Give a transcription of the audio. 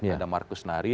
ada markus nari